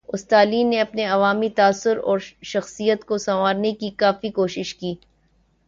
استالن نے اپنے عوامی تاثر اور شخصیت کو سنوارنے کی کافی کوشش کی۔